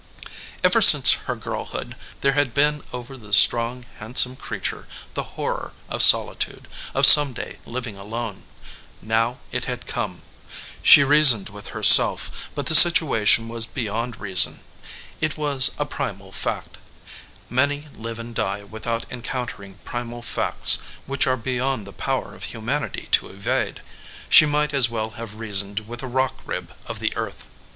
Ever since her girlhood, there had been over the strong, handsome creature, the horror of solitude, of some day living alone. Now it had come. She reasoned with herself, but the situation was beyond reason. It was a primal fact. Many live and die without encountering primal facts which are beyond the power of humanity to evade. She might as well have reasoned with a rock rib of the earth.